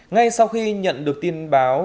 ngay sau khi nhận được tin báo